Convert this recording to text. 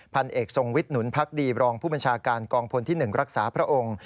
พันเอกทรงวิทย์หนุนพักดีบรองผู้บัญชาการกองพลที่๑รักษาพระองค์